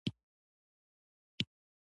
اوبزین معدنونه د افغانستان د اقتصاد برخه ده.